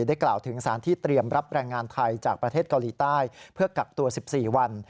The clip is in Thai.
กล่าวถึงสารที่เตรียมรับแรงงานไทยจากประเทศเกาหลีใต้เพื่อกักตัว๑๔วัน